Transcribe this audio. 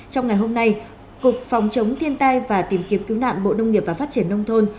trong ngày hôm nay cục phòng chống thiên tai và tìm kiếm cứu nạn bộ nông nghiệp và phát triển nông thôn